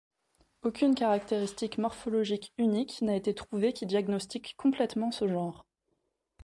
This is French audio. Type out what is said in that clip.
Aucune caractéristique morphologique unique n’a été trouvée qui diagnostique complètement ce genre.